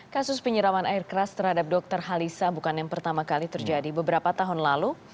kasus penyiraman air keras terhadap dokter halisa bukan yang pertama kali terjadi beberapa tahun lalu